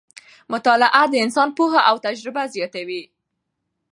مطالعه د انسان پوهه او تجربه زیاتوي